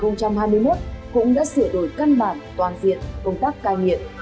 năm hai nghìn hai mươi một cũng đã sửa đổi căn bản toàn diện công tác cai nghiện